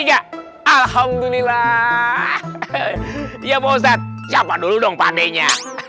alhamdulillah ya mozat siapa dulu dong pandainya